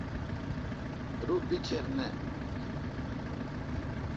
رو بیکھر نہ۔